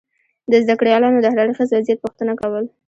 د زده کړیالانو دهر اړخیز وضعیت پوښتنه کول